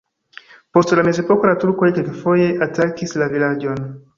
Post la mezepoko la turkoj kelkfoje atakis la vilaĝon.